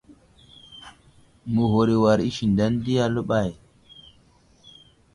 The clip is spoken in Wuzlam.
Məghur i war isendene di aləɓay.